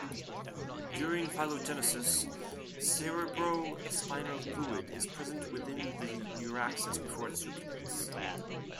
During phylogenesis, cerebrospinal fluid is present within the neuraxis before it circulates.